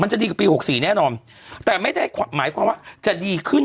จะดีกว่าปีหกสี่แน่นอนแต่ไม่ได้หมายความว่าจะดีขึ้น